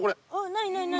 何何何？